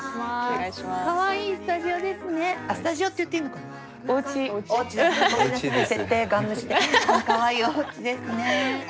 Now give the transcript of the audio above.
かわいいおうちですね。